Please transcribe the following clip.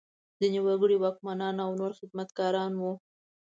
ځینې وګړي واکمنان او نور خدمتګاران وو.